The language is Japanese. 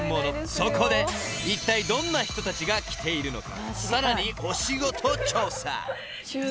［そこでいったいどんな人たちが来ているのかさらにお仕事調査］